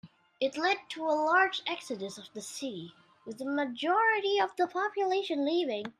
It led to a large exodus of the city, with a majority of the population leaving.